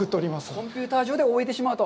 コンピューター上で終えてしまうと。